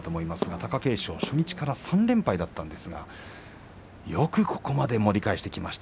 貴景勝は初日から３連敗だったんですがよくここまで盛り返してきました。